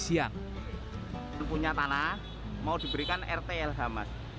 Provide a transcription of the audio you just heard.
yang tiga kerja mas